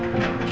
setia pak bos